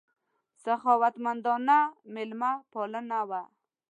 سخاوتمندانه مېلمه پالنه وه.